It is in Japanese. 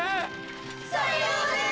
さようなら！